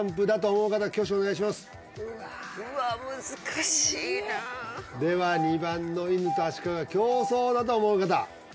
うわっ難しいなあでは２番の犬とアシカが競走だと思う方？